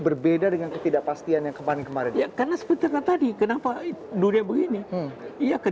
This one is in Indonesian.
berbeda dengan ketidakpastian yang kemarin kemarin ya karena seperti yang tadi kenapa dunia begini iya ke